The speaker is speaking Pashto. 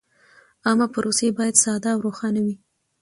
عامه پروسې باید ساده او روښانه وي.